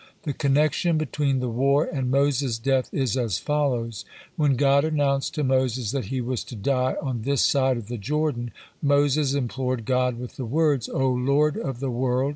The connection between the war and Moses' death is as follows. When God announced to Moses that he was to die on this side of the Jordan, Moses implored God with the words: "O Lord of the world!